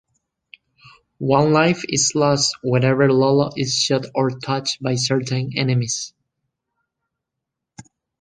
One life is lost whenever Lolo is shot or touched by certain enemies.